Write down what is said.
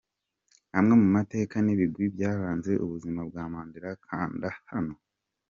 Amwe mu mateka n’ibigwi byaranze ubuzima bwa Mandela Kanda hano.